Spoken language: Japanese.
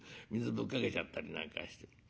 ぶっかけちゃったりなんかして。